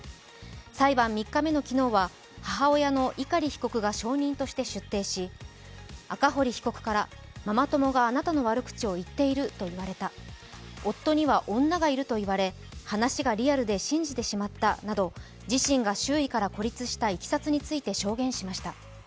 裁判３日目の昨日は母親の碇被告が証人として出廷し赤堀被告から、ママ友があなたの悪口を言っていると言われた、夫には女がいると言われ、話がリアルで信じてしまったなど、自身が周囲から孤立したいきさつについて証言しました。